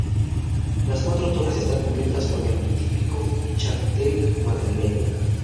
Las cuatro torres están cubiertas con el típico chapitel madrileño.